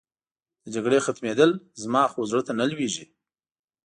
د جګړې ختمېدل، زما خو زړه ته نه لوېږي.